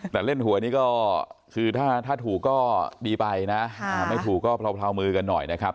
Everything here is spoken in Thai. แต่เล่นหวยนี่ก็คือถ้าถูกก็ดีไปนะไม่ถูกก็เลามือกันหน่อยนะครับ